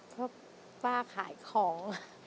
เพราะป้าขายของ